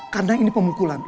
karena ini pemukulan